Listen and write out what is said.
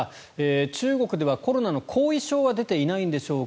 中国ではコロナの後遺症は出ていないんでしょうか。